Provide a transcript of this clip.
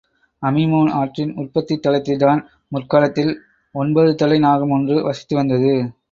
Amymone ஆற்றின் உற்பத்தித் தலத்தில்தான் முற்காலத்தில் ஒன்பது தலை நாகம் ஒன்று வசித்து வந்தது.